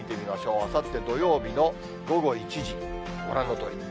あさって土曜日の午後１時、ご覧のとおり。